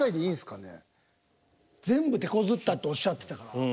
「全部てこずった」っておっしゃってたから。